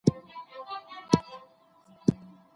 له خلګو مي ډېري خبري واورېدې.